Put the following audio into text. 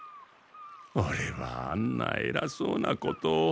オレはあんなえらそうなこと。